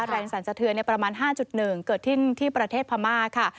แรงสรรสเทือนประมาณ๕๑เกิดที่ประเทศพม่าค่ะ